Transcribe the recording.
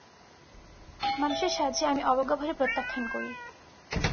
মানুষের সাহায্য আমি অবজ্ঞাভরে প্রত্যাখ্যান করি।